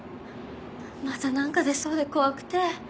またなんか出そうで怖くて。